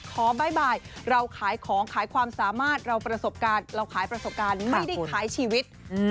บ๊ายบายเราขายของขายความสามารถเราประสบการณ์เราขายประสบการณ์ไม่ได้ขายชีวิต